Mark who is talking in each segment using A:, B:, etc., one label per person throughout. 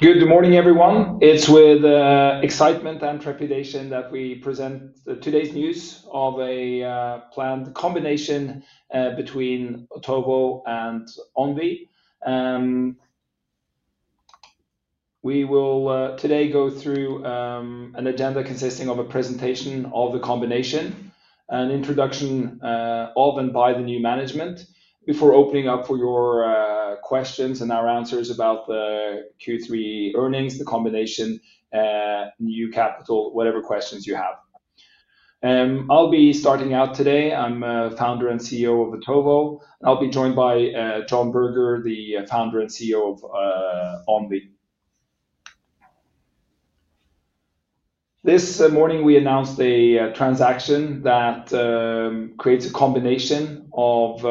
A: Good morning, everyone. It's with excitement and trepidation that we present today's news of a planned combination between Otovo and Onvi. We will today go through an agenda consisting of a presentation of the combination, an introduction of and by the new management, before opening up for your questions and our answers about the Q3 earnings, the combination, new capital, whatever questions you have. I'll be starting out today. I'm a founder and CEO of Otovo, and I'll be joined by John Berger, the founder and CEO of Onvi. This morning, we announced a transaction that creates a combination of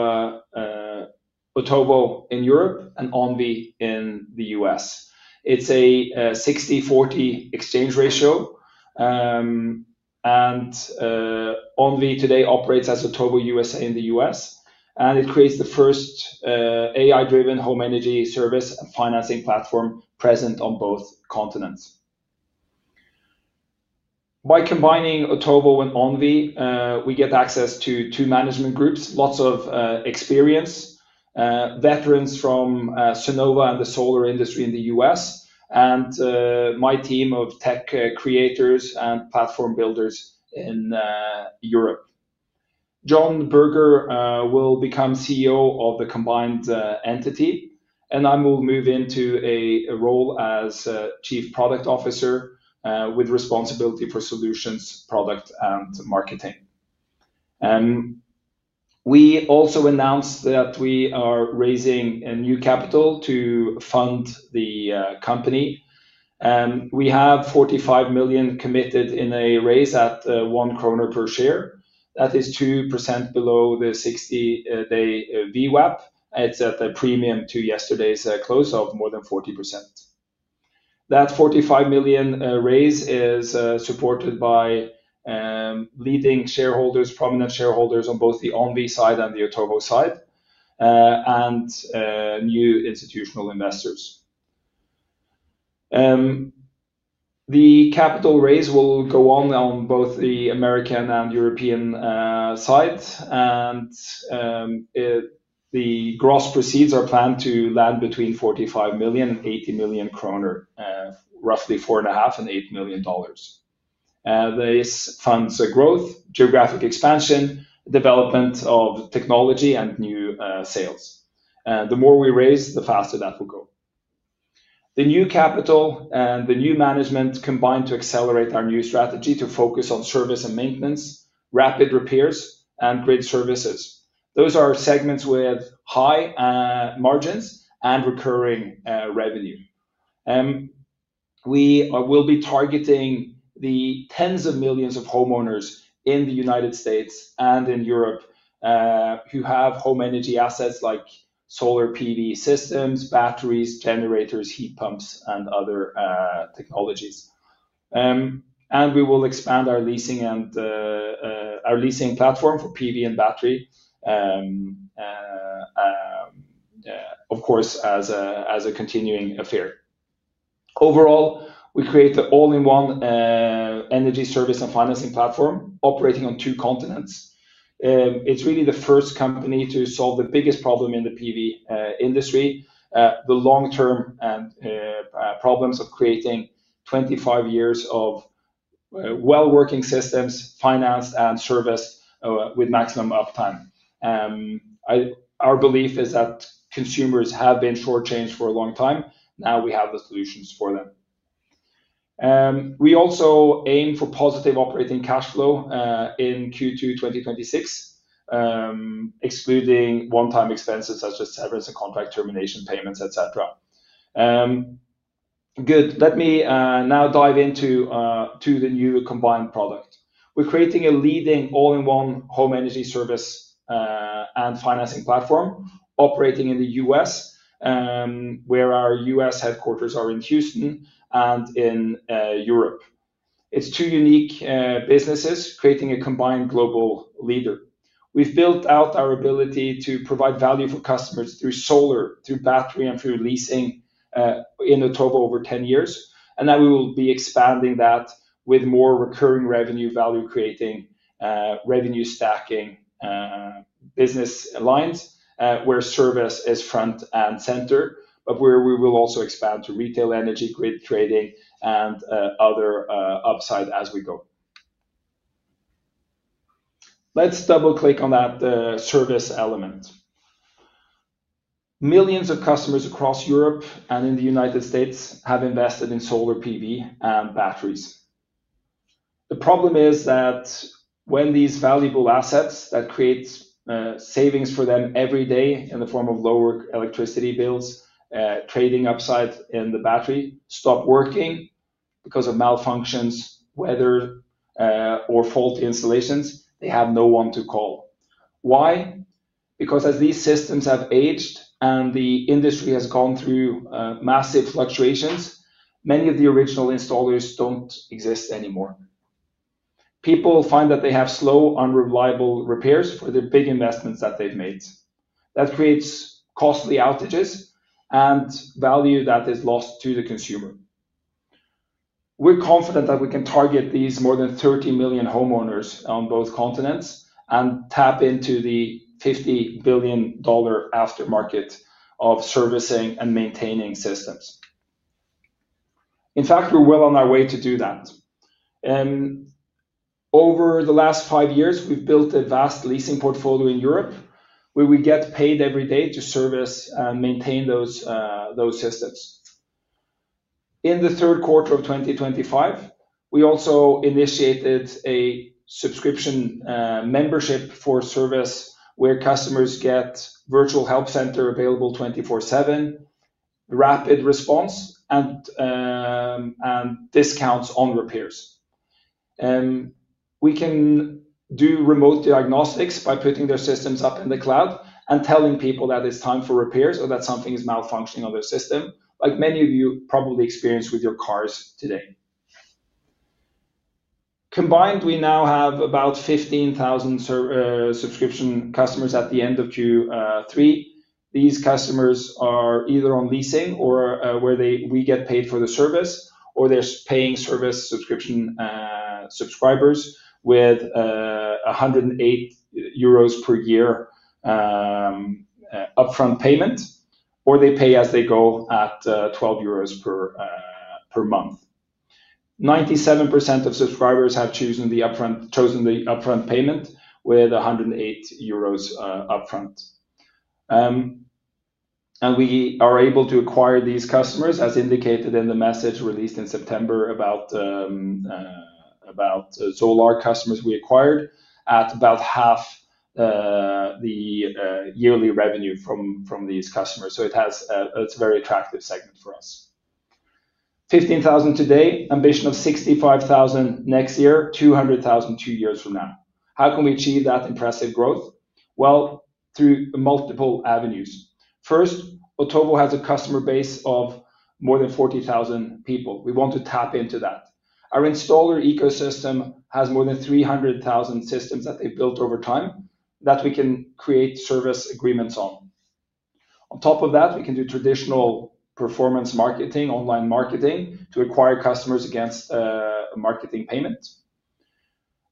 A: Otovo in Europe and Onvi in the U.S. It's a 60/40 exchange ratio, and Onvi today operates as Otovo USA in the U.S., and it creates the first AI-driven home energy service and financing platform present on both continents. By combining Otovo and Onvi, we get access to two management groups, lots of experience, veterans from Sunnova and the solar industry in the U.S., and my team of tech creators and platform builders in Europe. John Berger will become CEO of the combined entity, and I will move into a role as Chief Product Officer, with responsibility for solutions, product, and marketing. We also announced that we are raising new capital to fund the company. We have 45 million committed in a raise at one kroner per share. That is 2% below the 60-day VWAP. It is at a premium to yesterday's close of more than 40%. That 45 million raise is supported by leading shareholders, prominent shareholders on both the Onvi side and the Otovo side, and new institutional investors. The capital raise will go on on both the American and European sides, and the gross proceeds are planned to land between 45 million and 80 million kroner, roughly $4.5 million and $8 million. This funds growth, geographic expansion, development of technology, and new sales. The more we raise, the faster that will go. The new capital and the new management combine to accelerate our new strategy to focus on service and maintenance, rapid repairs, and grid services. Those are segments with high margins and recurring revenue. We will be targeting the tens of millions of homeowners in the United States and in Europe, who have home energy assets like solar PV systems, batteries, generators, heat pumps, and other technologies. We will expand our leasing and our leasing platform for PV and battery, of course, as a continuing affair. Overall, we create the all-in-one energy service and financing platform operating on two continents. It's really the first company to solve the biggest problem in the PV industry, the long-term and problems of creating 25 years of well-working systems, financed and serviced, with maximum uptime. Our belief is that consumers have been short-changed for a long time. Now we have the solutions for them. We also aim for positive operating cash flow in Q2 2026, excluding one-time expenses such as severance and contract termination payments, et cetera. Good. Let me now dive into the new combined product. We're creating a leading all-in-one home energy service and financing platform operating in the U.S., where our U.S. headquarters are in Houston, and in Europe. It's two unique businesses creating a combined global leader. We've built out our ability to provide value for customers through solar, through battery, and through leasing, in Otovo over 10 years, and now we will be expanding that with more recurring revenue value-creating, revenue stacking, business lines, where service is front and center, but where we will also expand to retail energy, grid trading, and other upside as we go. Let's double-click on that service element. Millions of customers across Europe and in the United States have invested in solar PV and batteries. The problem is that when these valuable assets that create savings for them every day in the form of lower electricity bills, trading upside in the battery, stop working because of malfunctions, weather, or faulty installations, they have no one to call. Why? Because as these systems have aged and the industry has gone through massive fluctuations, many of the original installers don't exist anymore. People find that they have slow, unreliable repairs for the big investments that they've made. That creates costly outages and value that is lost to the consumer. We're confident that we can target these more than 30 million homeowners on both continents and tap into the $50 billion aftermarket of servicing and maintaining systems. In fact, we're well on our way to do that. Over the last five years, we've built a vast leasing portfolio in Europe where we get paid every day to service and maintain those systems. In the third quarter of 2025, we also initiated a subscription, membership for service where customers get virtual help center available 24/7, rapid response, and discounts on repairs. We can do remote diagnostics by putting their systems up in the cloud and telling people that it's time for repairs or that something is malfunctioning on their system, like many of you probably experience with your cars today. Combined, we now have about 15,000 subscription customers at the end of Q3. These customers are either on leasing, where we get paid for the service, or they're paying service subscription, subscribers with 108 euros per year upfront payment, or they pay as they go at 12 euros per month. 97% of subscribers have chosen the upfront payment with 108 euros upfront. We are able to acquire these customers, as indicated in the message released in September about solar customers we acquired, at about half the yearly revenue from these customers. It is a very attractive segment for us. 15,000 today, ambition of 65,000 next year, 200,000 two years from now. How can we achieve that impressive growth? Through multiple avenues. First, Otovo has a customer base of more than 40,000 people. We want to tap into that. Our installer ecosystem has more than 300,000 systems that they've built over time that we can create service agreements on. On top of that, we can do traditional performance marketing, online marketing, to acquire customers against marketing payments.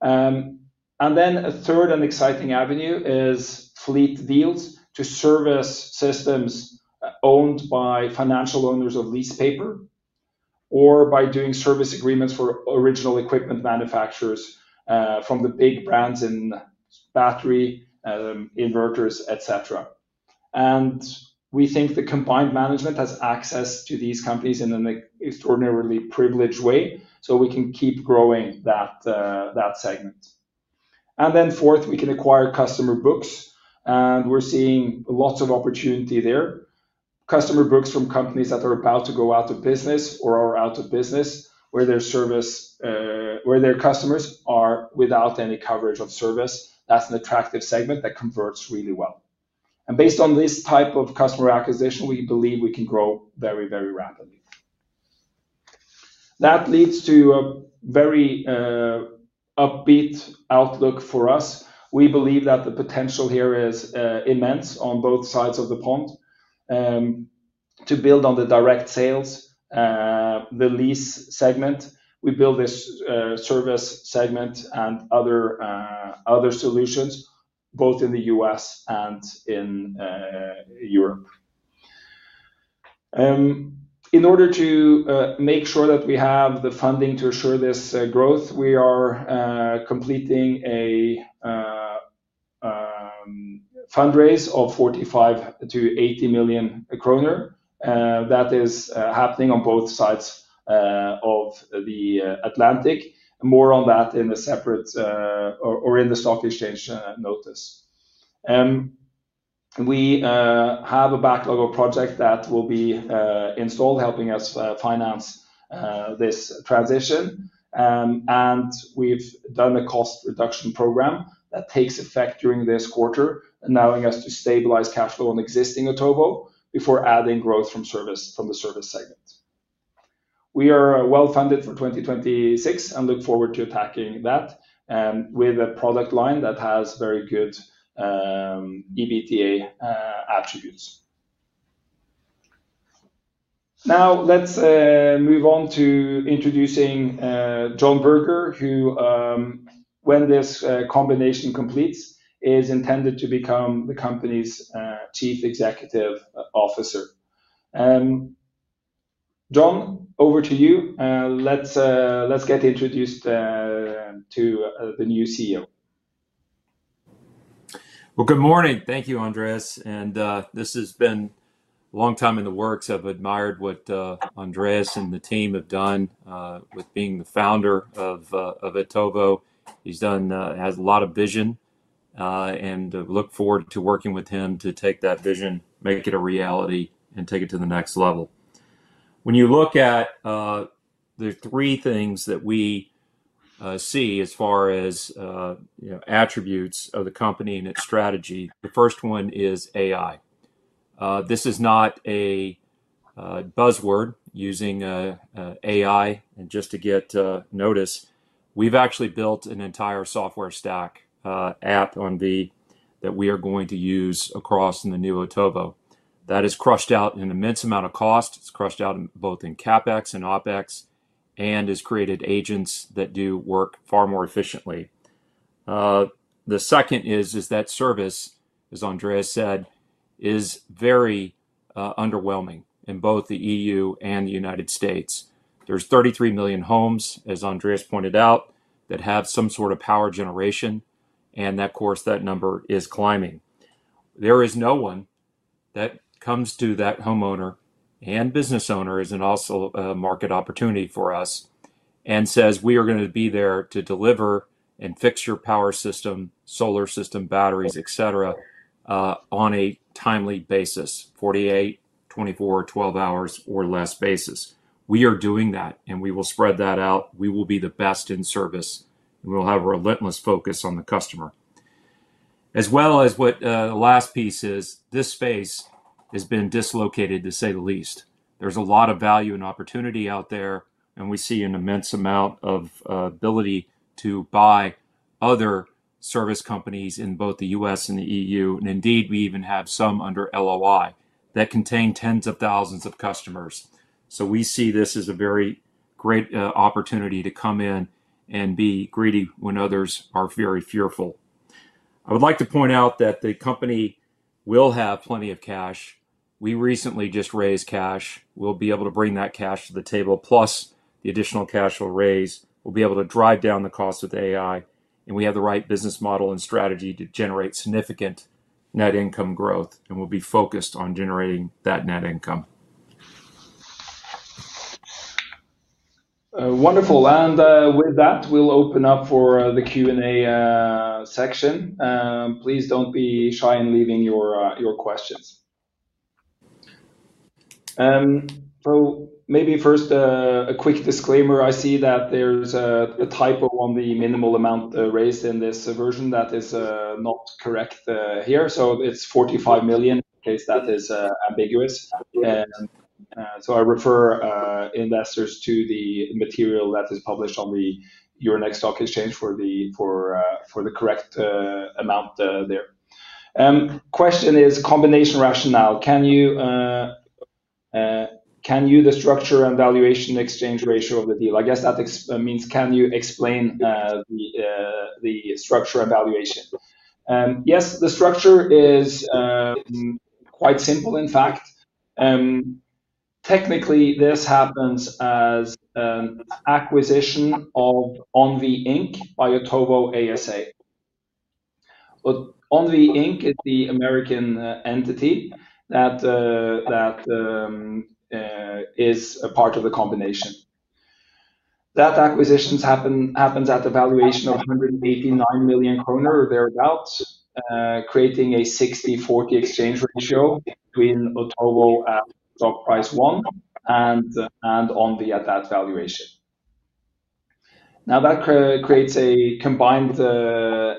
A: A third and exciting avenue is fleet deals to service systems owned by financial owners of lease paper, or by doing service agreements for original equipment manufacturers, from the big brands in battery, inverters, etc. We think the combined management has access to these companies in an extraordinarily privileged way, so we can keep growing that segment. Then fourth, we can acquire customer books, and we're seeing lots of opportunity there. Customer books from companies that are about to go out of business or are out of business, where their customers are without any coverage of service. That's an attractive segment that converts really well. Based on this type of customer acquisition, we believe we can grow very, very rapidly. That leads to a very upbeat outlook for us. We believe that the potential here is immense on both sides of the pond. To build on the direct sales, the lease segment, we build this service segment and other solutions, both in the U.S. and in Europe. In order to make sure that we have the funding to assure this growth, we are completing a fundraise of 45 million-80 million kroner. That is happening on both sides of the Atlantic. More on that in a separate, or in the stock exchange notice. We have a backlog of projects that will be installed, helping us finance this transition. And we've done a cost reduction program that takes effect during this quarter, allowing us to stabilize cash flow on existing Otovo before adding growth from the service segment. We are well funded for 2026 and look forward to attacking that, with a product line that has very good EBITDA attributes. Now, let's move on to introducing John Berger, who, when this combination completes, is intended to become the company's Chief Executive Officer. John, over to you. Let's get introduced to the new CEO.
B: Good morning. Thank you, Andreas. This has been a long time in the works. I've admired what Andreas and the team have done, with being the founder of Otovo. He's done, has a lot of vision, and I look forward to working with him to take that vision, make it a reality, and take it to the next level. When you look at the three things that we see as far as, you know, attributes of the company and its strategy, the first one is AI. This is not a buzzword using AI just to get notice. We've actually built an entire software stack, app on Onvi that we are going to use across in the new Otovo. That has crushed out an immense amount of cost. It's crushed out in both CapEx and OpEx and has created agents that do work far more efficiently. The second is, is that service, as Andreas said, is very underwhelming in both the EU and the United States. There are 33 million homes, as Andreas pointed out, that have some sort of power generation, and that, of course, that number is climbing. There is no one that comes to that homeowner and business owner as an also, market opportunity for us. And says, "We are going to be there to deliver and fix your power system, solar system, batteries, etc, on a timely basis, 48, 24, 12 hours or less basis." We are doing that, and we will spread that out. We will be the best in service, and we will have a relentless focus on the customer. As well as what, the last piece is, this space has been dislocated, to say the least. There is a lot of value and opportunity out there, and we see an immense amount of ability to buy other service companies in both the U.S. and the EU and indeed, we even have some under LOI that contain tens of thousands of customers. We see this as a very great opportunity to come in and be greedy when others are very fearful. I would like to point out that the company will have plenty of cash. We recently just raised cash. We'll be able to bring that cash to the table, plus the additional cash we'll raise. We'll be able to drive down the cost of the AI, and we have the right business model and strategy to generate significant net income growth, and we'll be focused on generating that net income. Wonderful. With that, we'll open up for the Q&A section. Please don't be shy in leaving your questions. Maybe first, a quick disclaimer. I see that there's a typo on the minimal amount raised in this version. That is not correct here. It's 45 million. In case that is ambiguous, I refer investors to the material that is published on the Euronext Stock Exchange for the correct amount there. Question is combination rationale. Can you, the structure and valuation exchange ratio of the deal? I guess that ex means can you explain the structure and valuation? Yes, the structure is quite simple, in fact. Technically, this happens as an acquisition of Onvi, Inc. by Otovo ASA. Onvi, Inc. is the American entity that is a part of the combination. That acquisition happens at a valuation of 189 million kroner or thereabouts, creating a 60/40 exchange ratio between Otovo at stock price one and Onvi at that valuation. Now, that creates a combined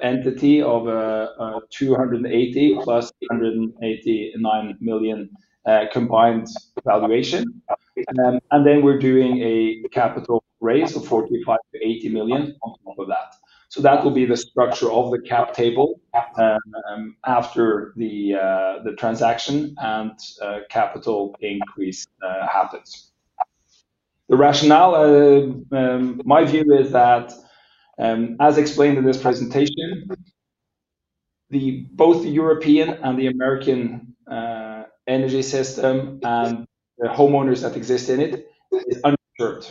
B: entity of a 280 million + 189 million combined valuation. And then we're doing a capital raise of 45 million-80 million on top of that. That will be the structure of the cap table after the transaction and capital increase happens. The rationale, my view is that, as explained in this presentation, both the European and the American energy system and the homeowners that exist in it is uninsured.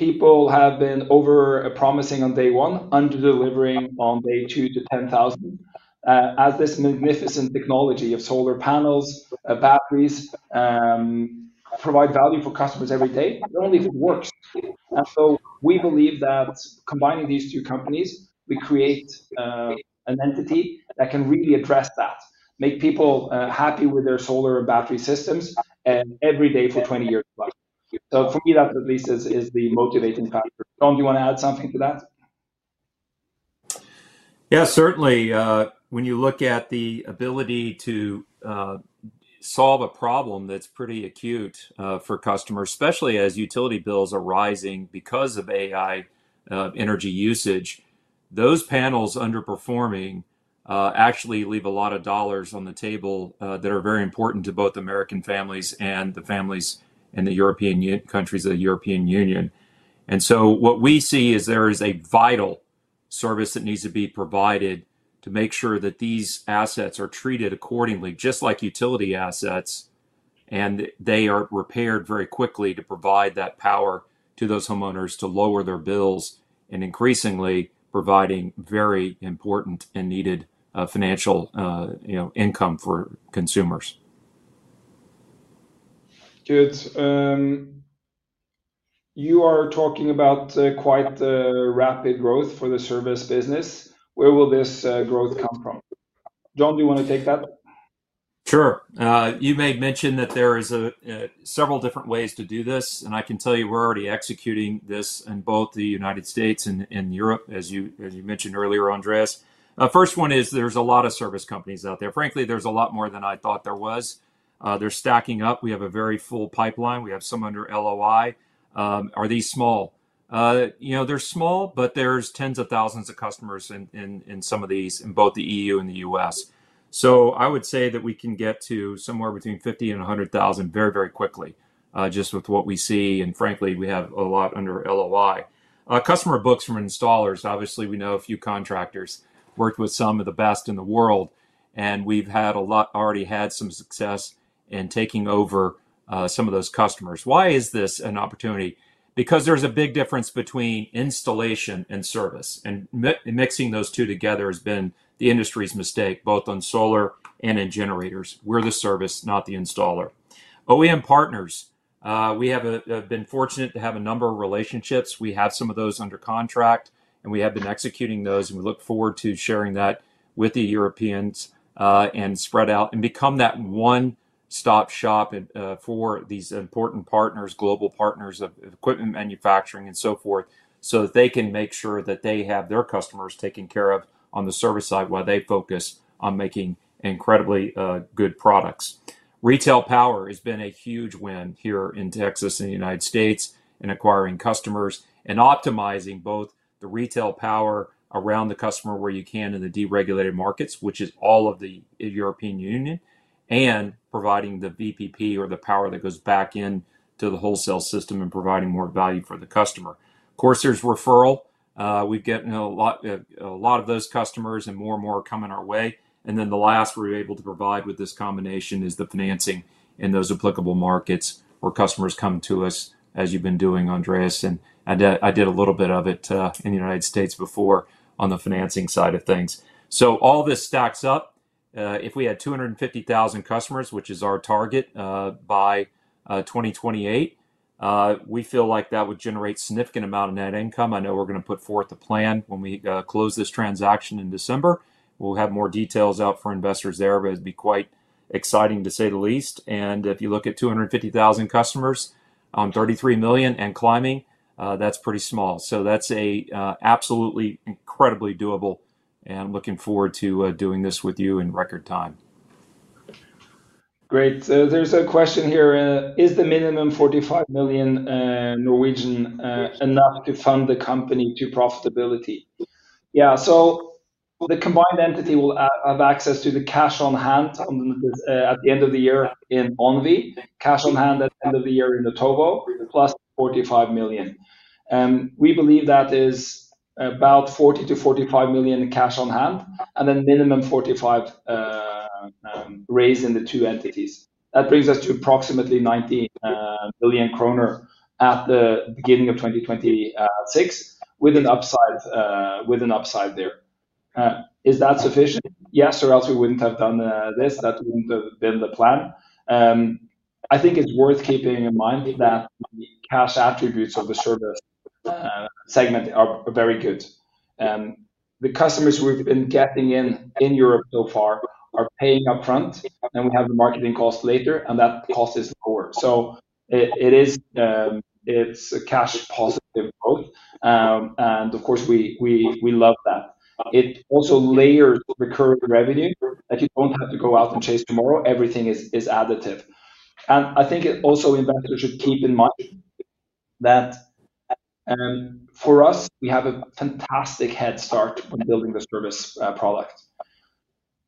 B: People have been over-promising on day one, under-delivering on day two to 10,000. As this magnificent technology of solar panels, batteries, provide value for customers every day, not only if it works. We believe that combining these two companies, we create an entity that can really address that, make people happy with their solar and battery systems every day for 20 years plus. For me, that at least is the motivating factor. John, do you want to add something to that? Yeah, certainly. When you look at the ability to solve a problem that's pretty acute for customers, especially as utility bills are rising because of AI, energy usage, those panels underperforming actually leave a lot of dollars on the table that are very important to both American families and the families in the European Union, countries of the European Union. What we see is there is a vital service that needs to be provided to make sure that these assets are treated accordingly, just like utility assets, and they are repaired very quickly to provide that power to those homeowners to lower their bills and increasingly providing very important and needed financial, you know, income for consumers.
A: Good. You are talking about quite rapid growth for the service business. Where will this growth come from? John, do you want to take that?
B: Sure. You may mention that there is a, several different ways to do this, and I can tell you we're already executing this in both the United States and Europe, as you mentioned earlier, Andreas. First one is there's a lot of service companies out there. Frankly, there's a lot more than I thought there was. They're stacking up. We have a very full pipeline. We have some under LOI. Are these small? You know, they're small, but there's tens of thousands of customers in some of these in both the EU and the U.S. I would say that we can get to somewhere between 50,000 and 100,000 very, very quickly, just with what we see. And frankly, we have a lot under LOI. Customer books from installers, obviously we know a few contractors, worked with some of the best in the world, and we've had a lot, already had some success in taking over some of those customers. Why is this an opportunity? Because there's a big difference between installation and service, and mixing those two together has been the industry's mistake, both on solar and in generators. We're the service, not the installer. OEM partners, we have been fortunate to have a number of relationships. We have some of those under contract, and we have been executing those, and we look forward to sharing that with the Europeans, and spread out and become that one-stop shop and, for these important partners, global partners of equipment manufacturing and so forth, so that they can make sure that they have their customers taken care of on the service side while they focus on making incredibly good products. Retail power has been a huge win here in Texas and the United States in acquiring customers and optimizing both the retail power around the customer where you can in the deregulated markets, which is all of the European Union, and providing the VPP or the power that goes back into the wholesale system and providing more value for the customer. Of course, there's referral. We've gotten a lot, a lot of those customers and more and more are coming our way. The last we're able to provide with this combination is the financing in those applicable markets where customers come to us, as you've been doing, Andreas. I did a little bit of it in the United States before on the financing side of things. All this stacks up. If we had 250,000 customers, which is our target by 2028, we feel like that would generate a significant amount of net income. I know we're going to put forth a plan when we close this transaction in December. We'll have more details out for investors there, but it'd be quite exciting, to say the least. If you look at 250,000 customers on 33 million and climbing, that's pretty small. That is absolutely incredibly doable, and I'm looking forward to doing this with you in record time.
A: Great. There's a question here. Is the minimum 45 million enough to fund the company to profitability? Yeah. The combined entity will have access to the cash on hand at the end of the year in Onvi, cash on hand at the end of the year in Otovo, plus 45 million. We believe that is about 40-45 million in cash on hand and then minimum 45 million raised in the two entities. That brings us to approximately 190 million kroner at the beginning of 2026 with an upside, with an upside there. Is that sufficient? Yes, or else we wouldn't have done this. That wouldn't have been the plan. I think it's worth keeping in mind that the cash attributes of the service segment are very good. The customers we've been getting in Europe so far are paying upfront, and we have the marketing cost later, and that cost is lower. It is a cash positive growth. Of course, we love that. It also layers recurring revenue that you don't have to go out and chase tomorrow. Everything is additive. I think investors should keep in mind that for us, we have a fantastic head start on building the service product.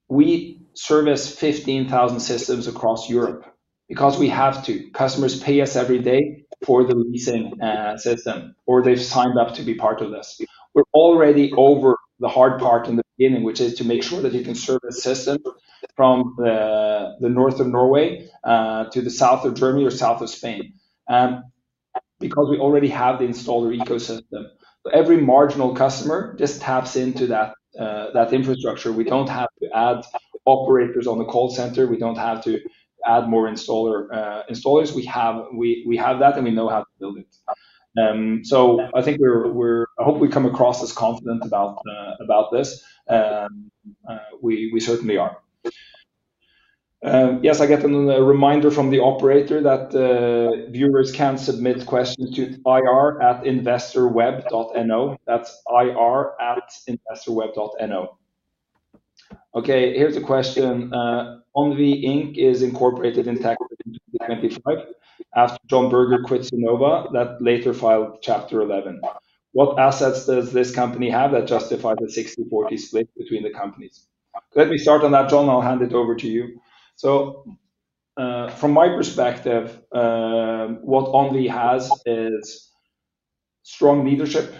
A: We service 15,000 systems across Europe because we have to. Customers pay us every day for the leasing system, or they've signed up to be part of this. We're already over the hard part in the beginning, which is to make sure that you can service systems from the north of Norway to the south of Germany or south of Spain, because we already have the installer ecosystem. Every marginal customer just taps into that infrastructure. We don't have to add operators on the call center. We don't have to add more installers. We have that, and we know how to build it. I think we come across as confident about this. We certainly are. Yes, I get a reminder from the operator that viewers can submit questions to ir@investorweb.no. That's ir@investorweb.no. Okay. Here's a question. Onvi Inc. is incorporated in Texas in 2025 after John Berger quit Sunnova that later filed Chapter 11. What assets does this company have that justify the 60/40 split between the companies? Let me start on that, John. I'll hand it over to you. From my perspective, what Onvi has is strong leadership,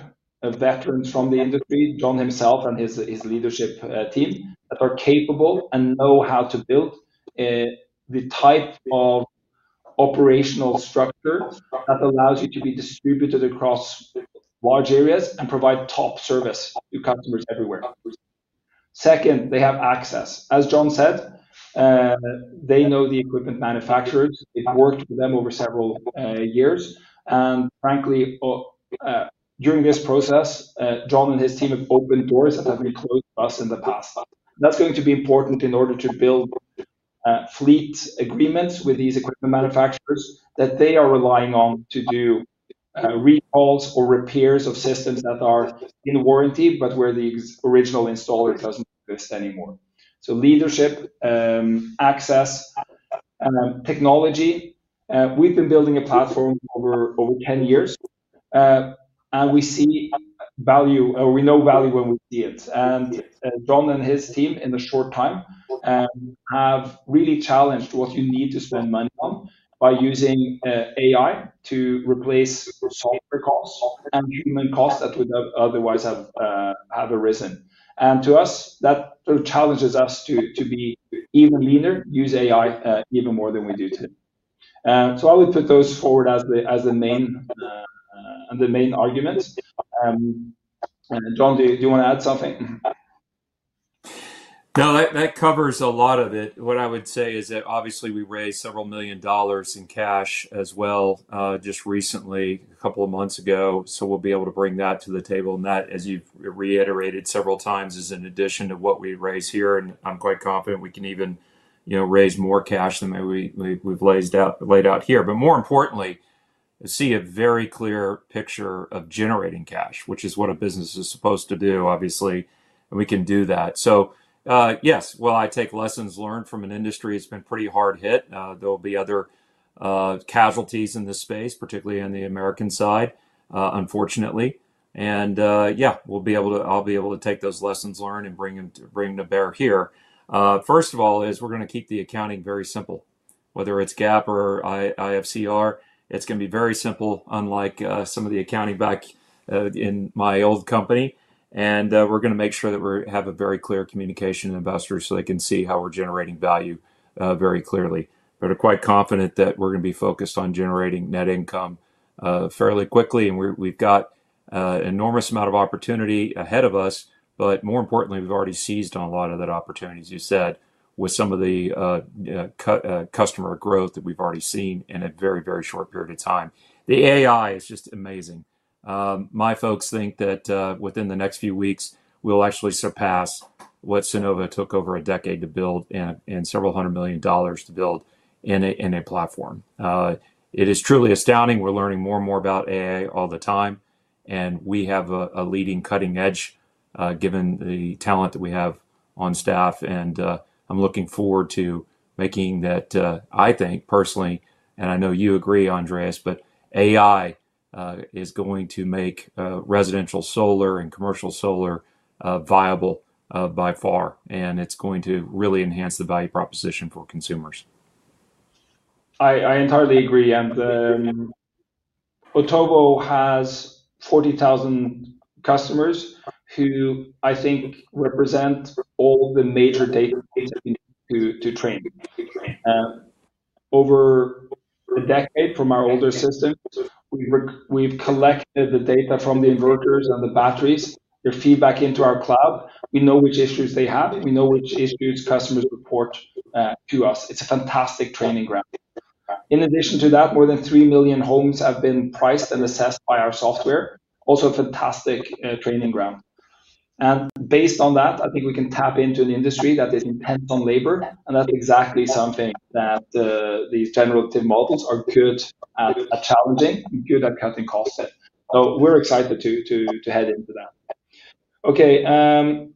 A: veterans from the industry, John himself and his leadership team that are capable and know how to build the type of operational structure that allows you to be distributed across large areas and provide top service to customers everywhere. Second, they have access. As John said, they know the equipment manufacturers. They've worked with them over several years. And frankly, during this process, John and his team have opened doors that have been closed to us in the past. That's going to be important in order to build. Fleet agreements with these equipment manufacturers that they are relying on to do recalls or repairs of systems that are in warranty, but where the original installer does not exist anymore. Leadership, access, technology. We have been building a platform over 10 years, and we see value, or we know value when we see it. John and his team, in the short time, have really challenged what you need to spend money on by using AI to replace software costs and human costs that would have otherwise arisen. To us, that sort of challenges us to be even leaner, use AI even more than we do today. I would put those forward as the main arguments. John, do you want to add something?
B: No, that covers a lot of it. What I would say is that obviously we raised several million dollars in cash as well, just recently, a couple of months ago. We will be able to bring that to the table. That, as you have reiterated several times, is in addition to what we raise here. I am quite confident we can even, you know, raise more cash than we have laid out here. More importantly, I see a very clear picture of generating cash, which is what a business is supposed to do, obviously. We can do that. Yes, I take lessons learned from an industry. It has been pretty hard hit. There will be other casualties in this space, particularly on the American side, unfortunately. I will be able to take those lessons learned and bring them to bear here. First of all, we're going to keep the accounting very simple. Whether it's GAAP or IFRS, it's going to be very simple, unlike some of the accounting back in my old company. We're going to make sure that we have very clear communication with investors so they can see how we're generating value, very clearly. I'm quite confident that we're going to be focused on generating net income fairly quickly. We've got an enormous amount of opportunity ahead of us. More importantly, we've already seized on a lot of that opportunity, as you said, with some of the customer growth that we've already seen in a very, very short period of time. The AI is just amazing. My folks think that, within the next few weeks, we'll actually surpass what Sunnova took over a decade to build and several hundred million dollars to build in a platform. It is truly astounding. We're learning more and more about AI all the time, and we have a leading cutting edge, given the talent that we have on staff. I'm looking forward to making that. I think personally, and I know you agree, Andreas, AI is going to make residential solar and commercial solar viable, by far. It's going to really enhance the value proposition for consumers.
A: I entirely agree. Otovo has 40,000 customers who I think represent all the major data we need to train. Over a decade from our older system, we've collected the data from the inverters and the batteries, their feedback into our cloud. We know which issues they have. We know which issues customers report to us. It's a fantastic training ground. In addition to that, more than 3 million homes have been priced and assessed by our software. Also a fantastic training ground. Based on that, I think we can tap into an industry that is intense on labor. That's exactly something that these generative models are good at challenging and good at cutting costs at. We're excited to head into that. Okay.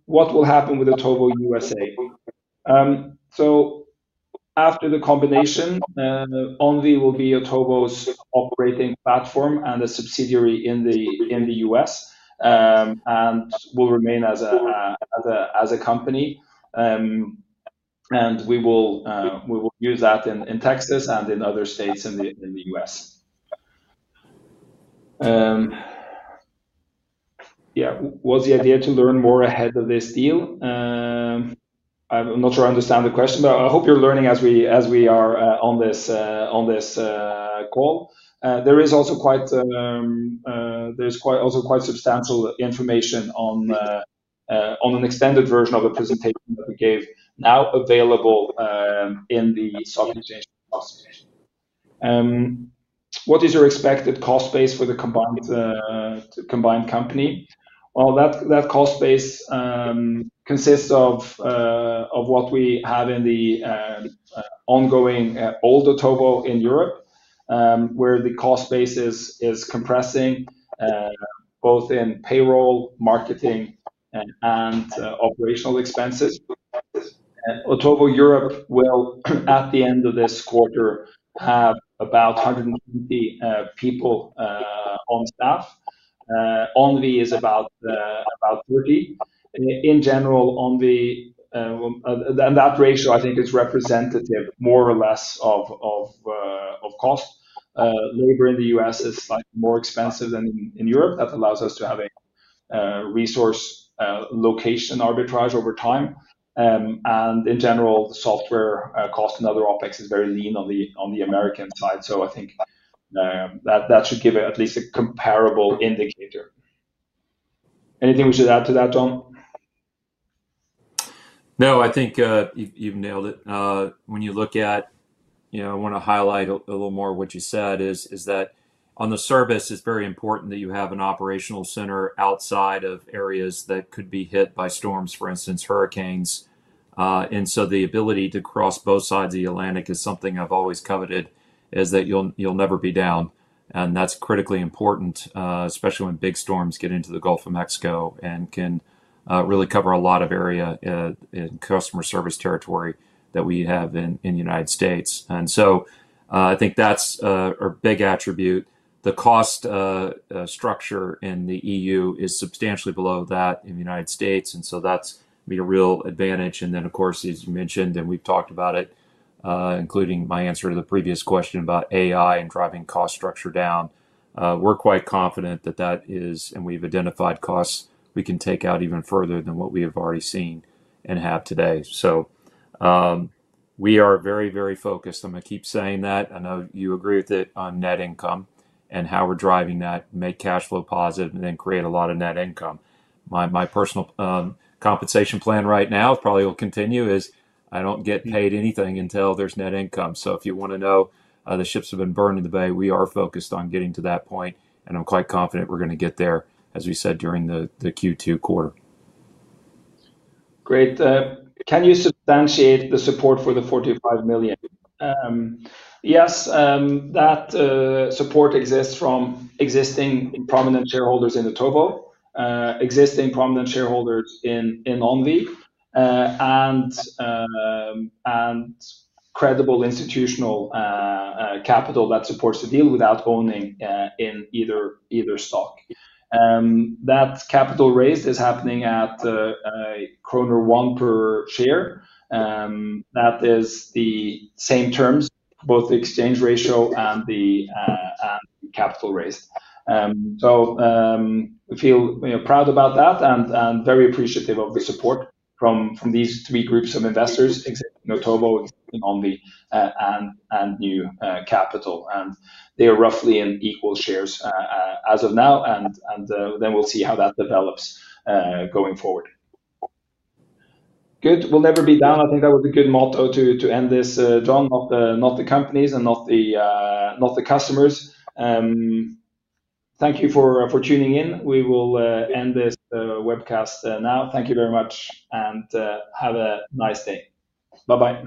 A: What will happen with Otovo USA? After the combination, Onvi will be Otovo's operating platform and a subsidiary in the U.S., and will remain as a company. We will use that in Texas and in other states in the U.S. Yeah. What's the idea to learn more ahead of this deal? I'm not sure I understand the question, but I hope you're learning as we are on this call. There is also quite substantial information on an extended version of the presentation that we gave now available in the software change. What is your expected cost base for the combined company? That cost base consists of what we have in the ongoing old Otovo in Europe, where the cost base is compressing, both in payroll, marketing, and operational expenses. Otovo Europe will, at the end of this quarter, have about 120 people on staff. Onvi is about 30. In general, Onvi and that ratio, I think, is representative more or less of cost. Labor in the U.S. is slightly more expensive than in Europe. That allows us to have a resource location arbitrage over time. In general, the software cost and other OpEx is very lean on the American side. I think that should give it at least a comparable indicator. Anything we should add to that, John?
B: No, I think you've nailed it. You know, I want to highlight a little more of what you said, is that on the service, it's very important that you have an operational center outside of areas that could be hit by storms, for instance, hurricanes. The ability to cross both sides of the Atlantic is something I've always coveted, is that you'll never be down. That's critically important, especially when big storms get into the Gulf of Mexico and can really cover a lot of area in customer service territory that we have in the United States. I think that's a big attribute. The cost structure in the EU is substantially below that in the United States. That's going to be a real advantage. Of course, as you mentioned, and we've talked about it, including my answer to the previous question about AI and driving cost structure down, we're quite confident that that is, and we've identified costs we can take out even further than what we have already seen and have today. We are very, very focused. I'm going to keep saying that. I know you agree with it on net income and how we're driving that, make cashflow positive, and then create a lot of net income. My personal compensation plan right now, probably will continue, is I don't get paid anything until there's net income. If you want to know, the ships have been burned in the bay, we are focused on getting to that point. I'm quite confident we're going to get there, as we said during the Q2 quarter.
A: Great. Can you substantiate the support for the 45 million? Yes. That support exists from existing prominent shareholders in Otovo, existing prominent shareholders in Onvi, and credible institutional capital that supports the deal without owning in either stock. That capital raised is happening at kroner 1 per share. That is the same terms, both the exchange ratio and the capital raised. We feel, you know, proud about that and very appreciative of the support from these three groups of investors, Otovo, Onvi, and new capital. They are roughly in equal shares, as of now. Then we'll see how that develops, going forward. Good. We'll never be down. I think that was a good motto to end this, John, not the companies and not the customers. Thank you for tuning in. We will end this webcast now. Thank you very much and have a nice day. Bye-bye.